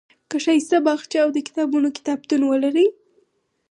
که ښایسته باغچه او د کتابونو کتابتون ولرئ.